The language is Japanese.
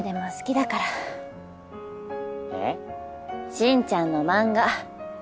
進ちゃんの漫画。